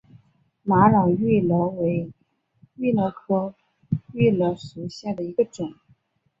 玛瑙芋螺为芋螺科芋螺属下的一个种。